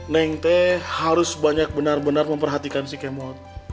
neng teh harus banyak benar benar memperhatikan si kemot